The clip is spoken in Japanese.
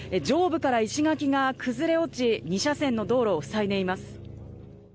上部から石垣が崩れ落ち２車線の道路を塞いでいます。